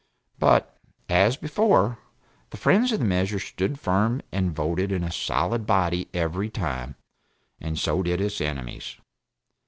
But as before, the friends of the measure stood firm and voted in a solid body every time, and so did its enemies.